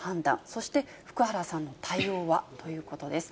そして福原さんの対応は？ということです。